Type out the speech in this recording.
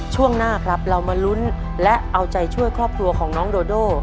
ช่วงหน้าครับเรามาลุ้นและเอาใจช่วยครอบครัวของน้องโดโด